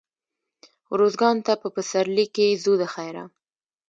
روزګان ته په پسرلي کښي ځو دخيره.